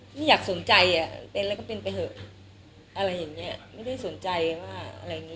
ไม่อยากสนใจอ่ะเป็นแล้วก็เป็นไปเถอะอะไรอย่างเงี้ยไม่ได้สนใจว่าอะไรอย่างเง